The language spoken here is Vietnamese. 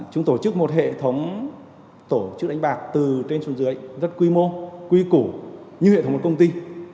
hệ thống tổ chức đánh bạc từ trên xuống dưới rất quy mô quy củ như hệ thống một công ty